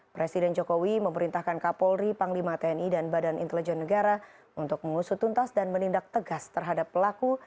presiden jokowi memerintahkan kapolri panglima tni dan badan intelijen negara untuk mengusut tuntas dan menindak tegas terhadap pelaku